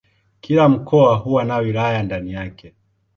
Kila mkoa huwa na wilaya ndani yake.